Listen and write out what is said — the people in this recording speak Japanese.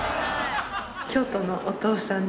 京都のお父さん？